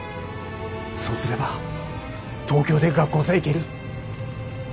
そうすれば東京で学校さ行ける。